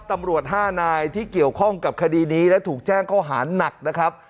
ตำรวจ๕นายที่เกี่ยวข้องกับคดีนี้และถูกแจ้งข้อหาหนักนะครับ